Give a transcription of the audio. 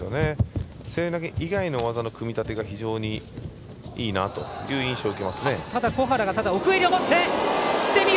背負い投げ以外の技の組み立てが非常にいいなという印象を受けます。